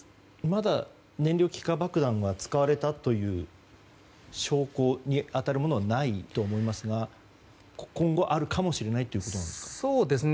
まだ燃料気化爆弾が使われたという証拠に当たるものはないと思いますが今後あるかもしれないと。